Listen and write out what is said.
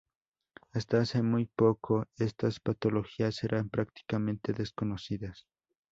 Hasta hace muy poco estas patologías eran prácticamente desconocidas.